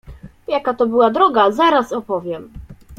"Jaka to była droga, zaraz opowiem."